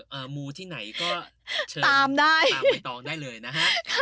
เจอมูที่ไหนก็เชิญตามไปใบตองได้เลยนะคะ